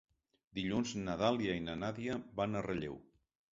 Dilluns na Dàlia i na Nàdia van a Relleu.